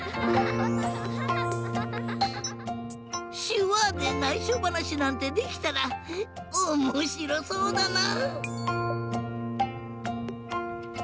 しゅわでないしょばなしなんてできたらおもしろそうだな！